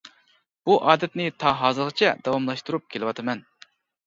بۇ ئادەتنى تا ھازىرغىچە داۋاملاشتۇرۇپ كېلىۋاتىمەن.